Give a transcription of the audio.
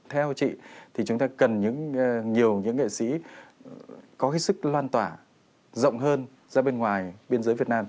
theo chị thì chúng ta cần nhiều những nghệ sĩ có cái sức lan tỏa rộng hơn ra bên ngoài biên giới việt nam